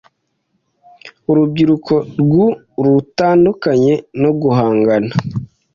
Uruyiruko ryuu rutandukanye no guhangana